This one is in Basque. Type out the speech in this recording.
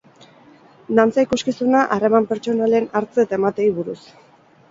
Dantza-ikuskizuna harreman pertsonalen hartze eta emateei buruz.